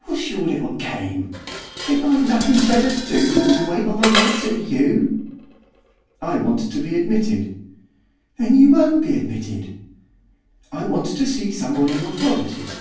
What's your little game? Think I've nothing better to do than to wait upon the likes of you?' 'I want to be admitted.' 'Then you won't be admitted!' 'I want to see someone in authority.